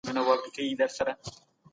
زعفران باید په قانوني لارو صادر شي.